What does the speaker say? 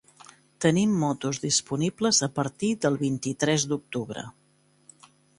Tenim motos disponibles a partir del vint-i-tres d'octubre.